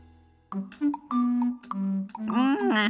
うん！